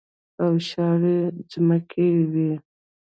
او شاړې ځمکې وې.